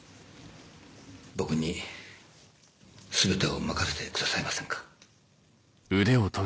僕に全てを任せてくださいませんか。